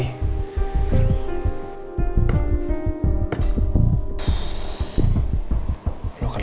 ini ga mungkin ya